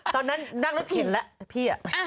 ตอนนั้นนั่งรถเข็นแล้วพี่